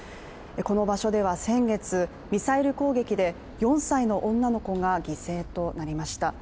この場所では先月、ミサイル攻撃で４歳の女の子が犠牲となりました。